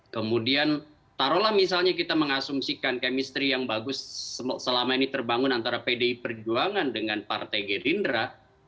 kemudian taruhlah misalnya kita mengasumsikan kemistri yang bagus selama ini terbangun antara pdi perjuangan dengan partai gerindra